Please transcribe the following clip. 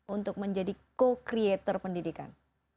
untuk menjadi co creator pendidikan